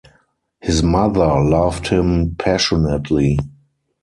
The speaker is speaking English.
His mother loved him passionately.